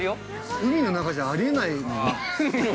◆海の中じゃ、あり得ない。